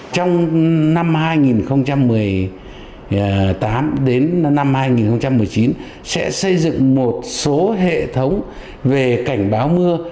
trong năm hai nghìn một mươi tám đến năm hai nghìn một mươi chín sẽ xây dựng một số hệ thống về cảnh báo mưa